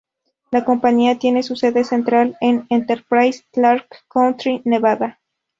La compañía tiene su sede central en Enterprise, Clark County, Nevada.